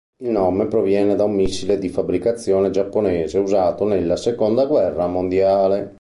Il nome proviene da un missile di fabbricazione giapponese usato nella seconda guerra mondiale.